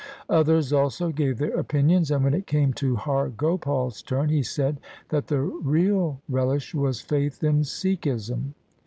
Others also gave their opinions, and when it came to Har Gopal's turn, he said that the real relish was faith in Sikhism.